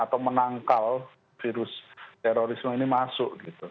atau menangkal virus terorisme ini masuk